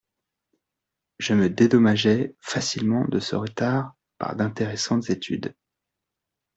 Je me dédommageai facilement de ce retard par d'intéressantes études.